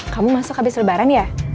kamu masuk habis lebaran ya